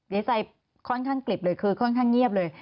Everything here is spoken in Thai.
ในใจค่อนข้างกลิบเลยคือค่อนข้างเงียบเลย